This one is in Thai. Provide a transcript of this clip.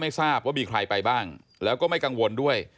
ทราบว่ามีใครไปบ้างแล้วก็ไม่กังวลด้วย